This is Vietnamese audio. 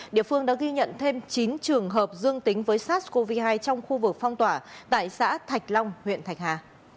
địa phương đã ghi nhận thêm chín trường hợp dương tính với sars cov hai trong khu vực phong tỏa tại xã thạch long huyện thạch hà